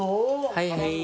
はいはい。